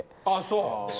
あっそう。